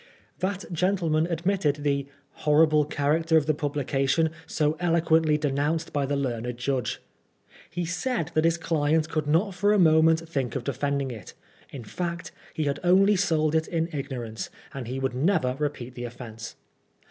That gentleman ad mitted the "horrible character of the publication, so eloquently denounced by the learned judge." He said that his client could not for a moment think of defend ing it ; in fact, he had only sold it in ignorance, and he would never repeat the offence.